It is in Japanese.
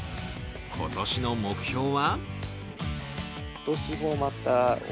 今年の目標は？